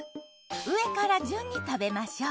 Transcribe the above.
上から順に食べましょう。